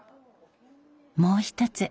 もう一つ